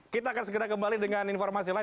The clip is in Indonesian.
kita akan segera kembali dengan informasi lain